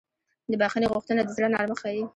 د بښنې غوښتنه د زړه نرمښت ښیي.